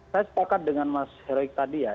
saya sepakat dengan mas heroik tadi ya